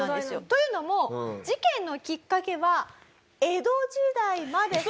というのも事件のきっかけは江戸時代までさかのぼります。